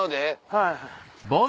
はい。